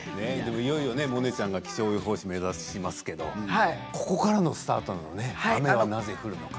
いよいよモネちゃんが気象予報士を目指しますけどここからのスタート雨はなぜ降るのか。